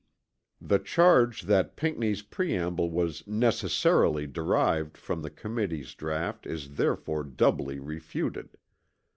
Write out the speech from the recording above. The charge that Pinckney's preamble was "necessarily" derived from the Committee's draught is therefore doubly refuted.